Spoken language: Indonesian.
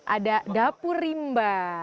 ada dapur rimba